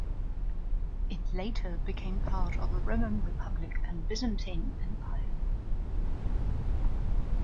It later became part of the Roman Republic and Byzantine Empire.